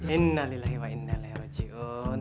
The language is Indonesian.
innalillahi wa innala rojiun